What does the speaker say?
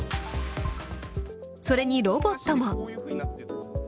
それにロボットも。